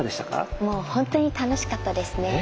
もうほんとに楽しかったですね。